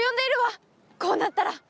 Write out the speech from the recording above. こうなったら！